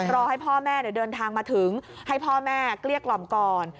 รอให้พ่อแม่เดินทางมาถึงให้พ่อแม่เกลี้ยกล่อมก่อน